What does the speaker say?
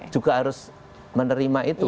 juga harus menerima itu